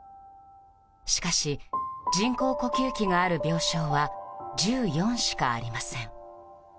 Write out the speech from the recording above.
しかし、人工呼吸器がある病床は１４しかありません。